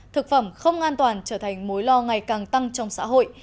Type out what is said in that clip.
thực phẩm không an toàn trở thành mối lo ngày càng tăng trong xã hội